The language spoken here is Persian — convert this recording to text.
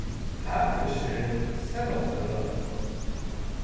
"حرف "ش" سه نقطه دارد."